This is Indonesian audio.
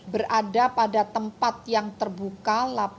berada pada tempat yang terbuka